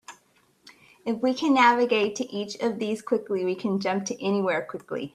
If we can navigate to each of these quickly, we can jump to anywhere quickly.